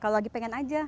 kalau lagi pengen aja